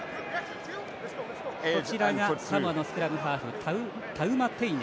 サモアのスクラムハーフタウマテイネ。